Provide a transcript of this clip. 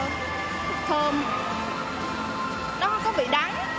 nó không có vị đắng